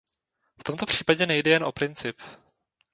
V tomto případě nejde jen o princip.